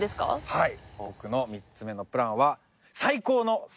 はい。